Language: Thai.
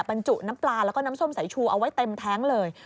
บรรจุน้ำปลาแล้วก็น้ำส้มสายชูเอาไว้เต็มแท้งเลย